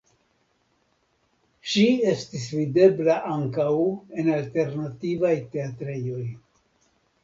Ŝi estis videbla ankaŭ en alternativaj teatrejoj.